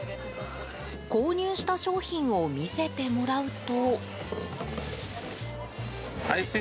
購入した商品を見せてもらうと。